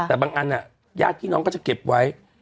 แต่บางอันญาติพี่น้องก็จะเก็บไว้